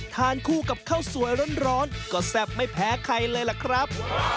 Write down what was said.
ทานคู่กับข้าวสวยร้อนก็แซ่บไม่แพ้ใครเลยล่ะครับ